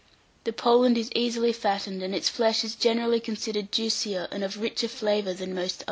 The Poland is easily fattened, and its flesh is generally considered juicier and of richer flavour than most others.